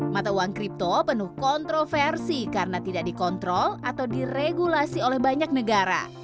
mata uang kripto penuh kontroversi karena tidak dikontrol atau diregulasi oleh banyak negara